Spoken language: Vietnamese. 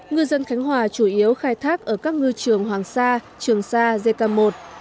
ngư dân khánh hòa chủ yếu khai thác ở các ngư trường hoàng sa trường sa dê cà một